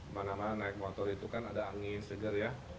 mana mana naik motor itu kan ada angin segar ya